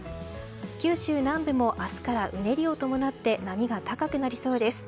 九州南部も明日から、うねりを伴って波が高くなりそうです。